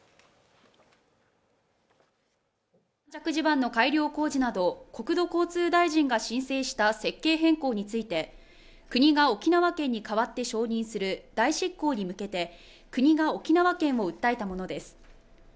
軟弱地盤の改良工事など国土交通大臣が申請した設計変更について国が沖縄県に代わって承認する代執行に向けて国が沖縄県を訴えたものです